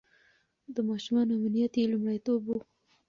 د ماشومانو امنيت يې لومړيتوب و.